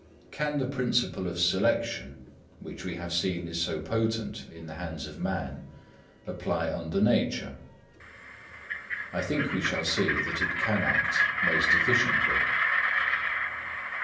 Can the principle of selection, which we have seen is so potent in the hands of man, apply under nature? I think we shall see that it can act most efficiently.